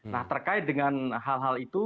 nah terkait dengan hal hal itu